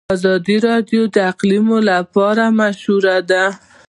افغانستان د اقلیم لپاره مشهور دی.